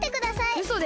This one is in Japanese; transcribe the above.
うそです。